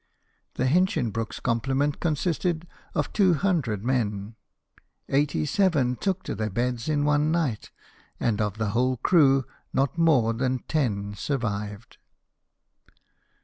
The Hincliinhroolc s complement consisted of two hundred men ; eighty seven took to their beds in one night, and of the whole crew not more than ten survived.